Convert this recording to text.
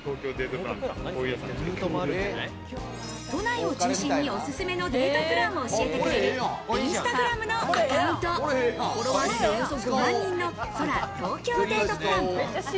都内を中心におすすめのデートプランを教えてくれるインスタグラムのアカウント、フォロワー数